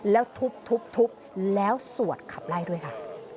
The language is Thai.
แล้วทุบแล้วสวดขับไล่ด้วยค่ะ